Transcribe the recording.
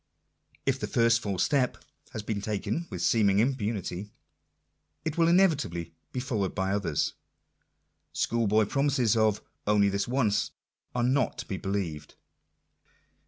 If the first false step has been taken with seeming impunity, it will inevitably be followed by others. School boy promises of—" only this once" are not to be believed.